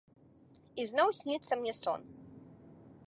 І зноў сніцца мне сон.